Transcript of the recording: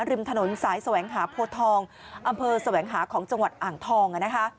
ริมถนนสายแสวงหาโพทองอำเภอแสวงหาของจังหวัดอ่างทองนะคะ